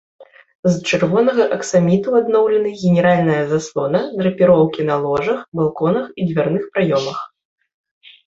З чырвонага аксаміту адноўлены генеральная заслона, драпіроўкі на ложах, балконах і дзвярных праёмах.